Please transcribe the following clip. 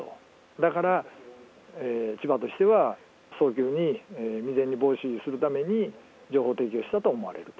だから、千葉としては早急に、未然に防止するために、情報提供したと思われると。